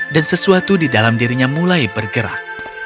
dan sesuatu di dalam dirinya mulai bergerak